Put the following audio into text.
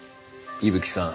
伊吹さん！